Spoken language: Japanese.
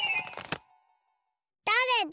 だれだ？